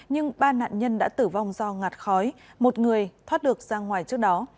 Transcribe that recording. nhưng ba nạn nhân đã tử vong do ngạt khói một người thoát được ra ngoài trước đó